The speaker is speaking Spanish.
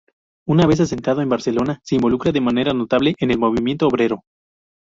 Una vez asentado en Barcelona se involucra de manera notable en el movimiento obrero.